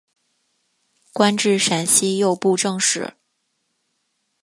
官至陕西右布政使。